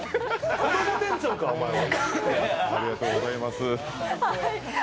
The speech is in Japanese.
子供店長か、お前は！